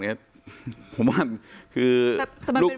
แต่เป็นเวลาราชการ